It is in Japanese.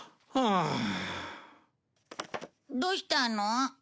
どうしたの？